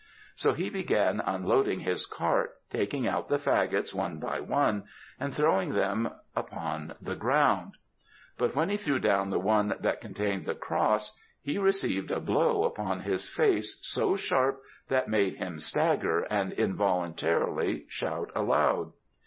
So he began unloading his cart, taking out the faggots, one by one, and throwing them upon the ground; but when he threw down the one that contained the cross, he received a blow upon his face, so sharp that made him stagger and involuntarily shout aloud.